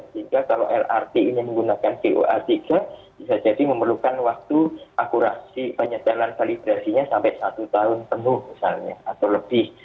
sehingga kalau lrt ini menggunakan coa tiga bisa jadi memerlukan waktu akurasi penyedalan kalibrasinya sampai satu tahun penuh misalnya atau lebih